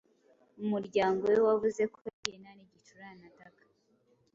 umuryango we wavuze ko yagiye nta n’igicurane ataka.